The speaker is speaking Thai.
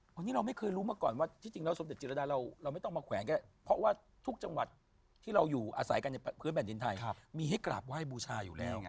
วันนี้เราไม่เคยรู้มาก่อนว่าที่จริงแล้วสมเด็จจิรดาเราไม่ต้องมาแขวนกันเพราะว่าทุกจังหวัดที่เราอยู่อาศัยกันในพื้นแผ่นดินไทยมีให้กราบไหว้บูชาอยู่แล้วไง